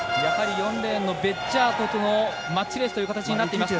４レーンのベッジャートとのマッチレースになっています。